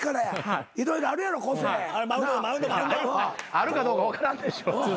あるかどうか分からんでしょ。